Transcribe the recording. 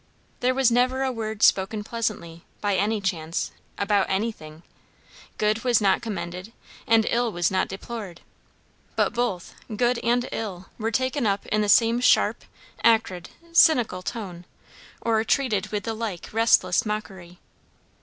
There was never a word spoken pleasantly, by any chance, about anything; good was not commended, and ill was not deplored; but both, good and ill, were taken up in the same sharp, acrid, cynical tone, or treated with the like restless mockery.